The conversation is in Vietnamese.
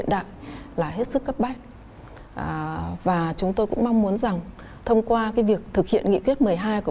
đại là hết sức cấp bách và chúng tôi cũng mong muốn rằng thông qua cái việc thực hiện nghị quyết một mươi hai của